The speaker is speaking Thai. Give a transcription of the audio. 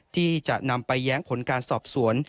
ที่จะนำไปแย้งผลการสอบสวน